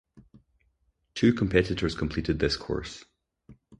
Two competitors completed this course.